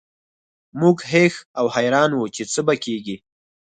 موږ هېښ او حیران وو چې څه به کیږي